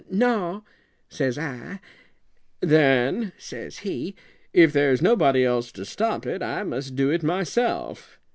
'No,' says I. 'Then,' says he, 'if there's nobody else to stop it, I must do it myself.'